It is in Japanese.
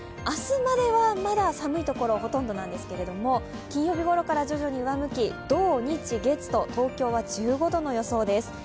明日まではまだ寒いところほとんどなんですけれども金曜日ごろから徐々に上向き、土日月と東京は１５度の予想です。